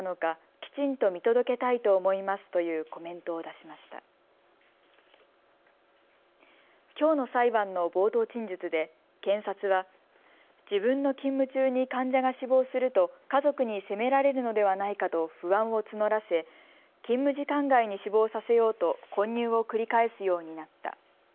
きょうの裁判の冒頭陳述で検察は自分の勤務中に患者が死亡すると家族に責められるのではないかと不安を募らせ勤務時間外に死亡させようと混入を繰り返すようになった。